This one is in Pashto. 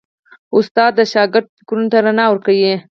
استاد د شاګرد فکرونو ته رڼا ورکوي.